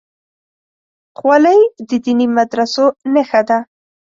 خولۍ د دیني مدرسو نښه ده.